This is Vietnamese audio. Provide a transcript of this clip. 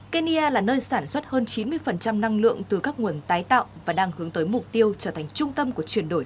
kenya là nơi sản xuất hơn chín mươi năng lượng từ các nguồn tái tạo và đang hướng tới mục tiêu trở thành trung tâm của chuyển đổi